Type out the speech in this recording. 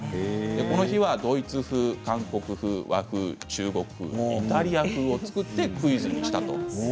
この日はドイツ風、韓国風和風、中国風、イタリア風を作って、クイズにしたと。